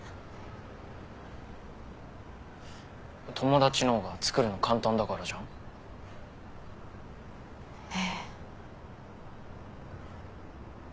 友達の方がつくるの簡単だからじゃん。へ。